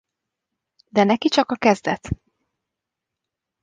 De neki csak a kezdet.